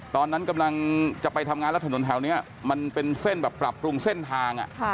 ตอนนั้นกำลังจะไปทำงานแล้วถนนแถวนี้มันเป็นเส้นแบบปรับปรุงเส้นทาง